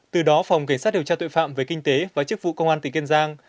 từ đó phòng cảnh sát điều tra tội phạm về kinh tế và chức vụ công an tỉnh kiên giang